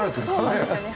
そうなんですよね。